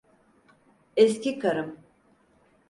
Eski karım.